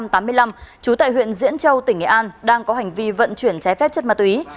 trú tại huyện diễn châu tỉnh nghệ an đang có hành vi vận chuyển trái phép chất ma túy